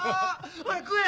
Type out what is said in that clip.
ほれ食え！